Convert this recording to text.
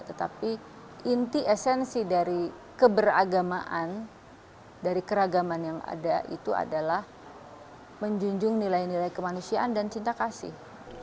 tetapi inti esensi dari keberagamaan dari keragaman yang ada itu adalah menjunjung nilai nilai kemanusiaan dan cinta kasih